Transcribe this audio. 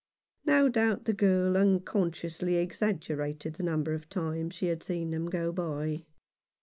No doubt the girl unconsciously exaggerated the number of times she had seen them go by.